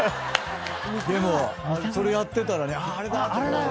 でもそれやってたらねあれだ！って思うもんね。